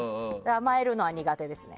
甘えるのは苦手ですね。